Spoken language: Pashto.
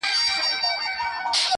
په هر ځای کي چي مي وغواړی حضور یم!!